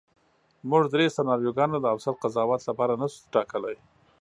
موږ درې سناریوګانې د اوسط قضاوت لپاره نشو ټاکلی.